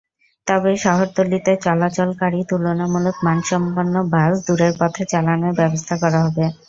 তবে শহরতলিতে চলাচলকারী তুলনামূলক মানসম্পন্ন বাস দূরের পথে চালানোর ব্যবস্থা করা হবে।